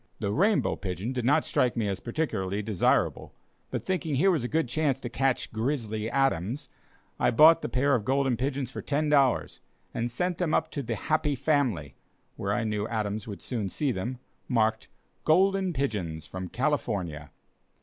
The "rainbow pigeon" did not strike me as particularly desirable; but thinking here was a good chance to catch "Grizzly Adams," I bought the pair of golden pigeons for ten dollars, and sent them up to the "Happy Family" (where I knew Adams would soon see them), marked, "Golden Pigeons, from California."